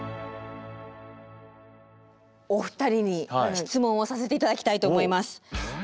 お二人に質問をさせて頂きたいと思います。